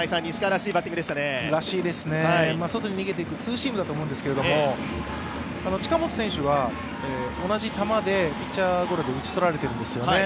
らしいですね、外に逃げていくツーシームだと思うんですけど近本選手は同じ球でピッチャーゴロで打ち取られているんですよね。